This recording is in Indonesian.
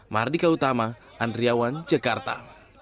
mardika utama andriawan jakarta